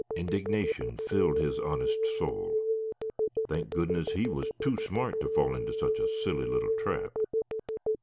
Indignation filled his honest soul. Thank goodness he was too smart to fall into such a silly little trap.